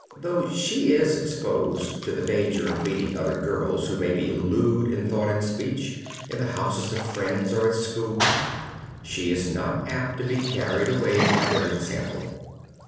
Though she is exposed to the danger of meeting other girls who may be lewd in thought and speech, in the houses of friends or at school, she is not apt to be carried away by their example.